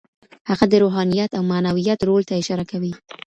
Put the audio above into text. هغه د روحانيت او معنويت رول ته اشاره کوي.